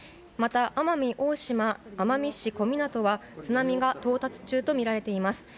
また、奄美大島奄美市小湊は津波が到達中とみられています。